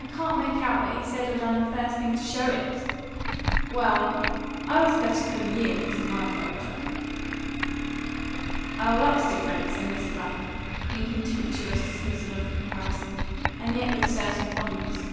"I can't make out that he's said or done the first thing to show it." "Well, I was better than a year getting my courage up." "Oh, that was different," said Mrs. Lapham, in contemptuous dismissal of the comparison, and yet with a certain fondness.